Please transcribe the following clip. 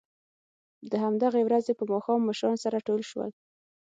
د همهغې ورځې په ماښام مشران سره ټول شول